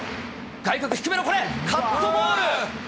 外角低めのこれ、カットボール。